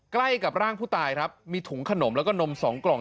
ใกล้กับร่างผู้ตายครับมีถุงขนมแล้วก็นม๒กล่อง